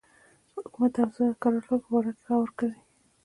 حکومت د اوضاع د کرارولو په باره کې غور کوي.